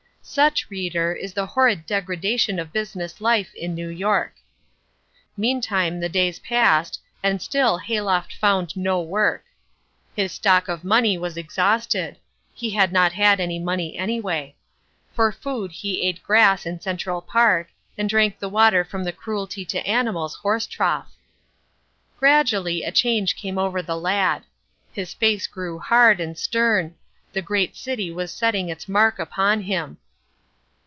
Such, reader, is the horrid degradation of business life in New York. Meantime the days passed and still Hayloft found no work. His stock of money was exhausted. He had not had any money anyway. For food he ate grass in Central Park and drank the water from the Cruelty to Animals horse trough. Gradually a change came over the lad; his face grew hard and stern, the great city was setting its mark upon him.